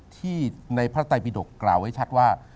ที่ในพระไตบิดกกล่าวไว้ชัดว่า